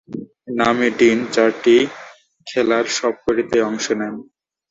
নামি ডিন চারটি খেলার সবকটিতেই অংশ নেন।